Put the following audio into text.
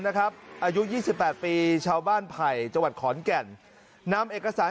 อายุ๒๘ปีชาวบ้านไผ่จังหวัดขอนแก่นนำเอกสาร